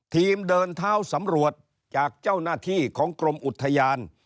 เดินเท้าสำรวจจากเจ้าหน้าที่ของกรมอุทยาน